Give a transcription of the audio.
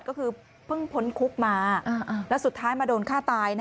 ก็คือเพิ่งพ้นคุกมาแล้วสุดท้ายมาโดนฆ่าตาย